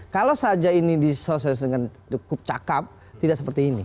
kalau saja ini disosialisasi dengan cukup cakep tidak seperti ini